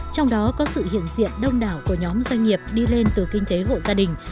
trong đó có sự hiện diện đông đảo của nhóm doanh nghiệp đi lên từ kinh tế hộ gia đình